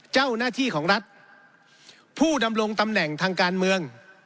เจ้าหน้าที่ของรัฐผู้ดำรงตำแหน่งทางการเมือง